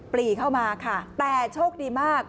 ปรีเข้ามาค่ะแต่โชคดีมาก